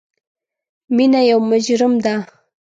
مینه یو مجرم ده